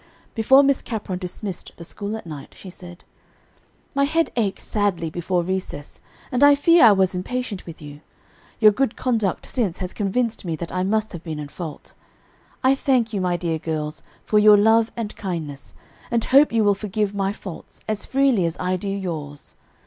Before Miss Capron dismissed the school at night, she said: "My head ached sadly before recess, and I fear I was impatient with you. Your good conduct since has convinced me that I must have been in fault. I thank you, my dear girls, for your love and kindness, and hope you will forgive my faults as freely as I do yours.